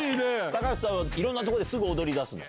高橋さんはいろんなとこですぐ踊り出すの？